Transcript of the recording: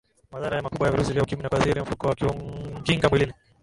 madhara makubwa ya virusi vya ukimwi ni kuathiri mfumo wa kinga mwilini